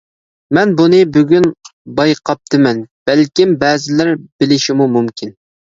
مەن بۇنى بۈگۈن بايقاپتىمەن، بەلكىم بەزىلەر بىلىشىمۇ مۇمكىن.